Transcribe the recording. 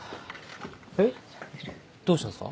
えどうしたんすか？